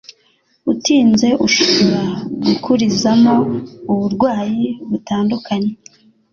utinze ushobora gukurizamo uburwayi butandukanye.